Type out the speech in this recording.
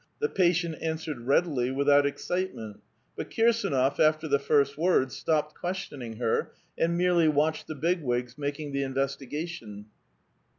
The patient answered readily, without excitement. But Kirs^nof, after the first words, stopped questioning her and merely watched the Big Wigs making the investigation.